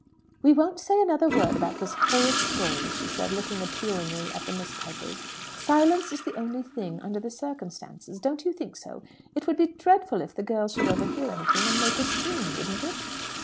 "We won't say another word about this horrid story," she said, looking appealingly at the Miss Pipers. "Silence is the only thing under the circumstances. Don't you think so? It would be so dreadful if the girl should overhear anything, and make a scene; wouldn't it?"